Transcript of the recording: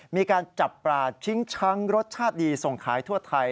มีการจับปลาชิงช้างรสชาติดีส่งขายทั่วไทย